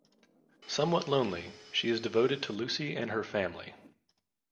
Somewhat lonely, she is devoted to Lucy and her family.